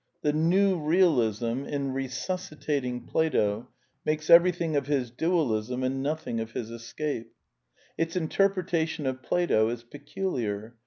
I' The New Realism, in resuscitating Plato, makes every thing of his Dualism and nothing of his escape. Its in I terpretation of Plato is peculiar.